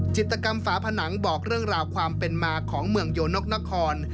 จิตกรรมฝาผนังบอกเรื่องราวความเป็นมาของเมืองโยนกนคร